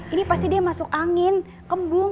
ini pasti dia masuk angin kembung